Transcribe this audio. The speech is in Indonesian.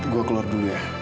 gue keluar dulu ya